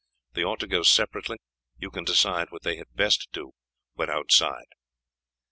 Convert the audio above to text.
They ought to go separately; you can decide what they had best do when outside."